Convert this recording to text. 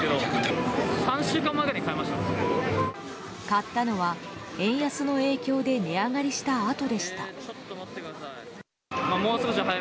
買ったのは、円安の影響で値上がりしたあとでした。